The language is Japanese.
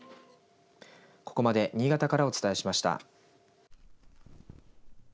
ここまで新潟からお伝えしました。